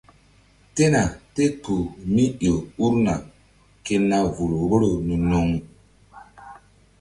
Tena te kpuh mi ƴo urna ke na vul vboro nu-nuŋ.